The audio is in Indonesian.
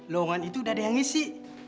lowongan itu udah ada yang ngisi